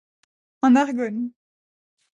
En Argonne.